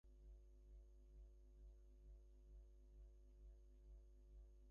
তল্লাশির সময় ব্যাংকের cash and credit service কর্মকর্তা মারুফ হাসান কৌশলে পালিয়ে যান।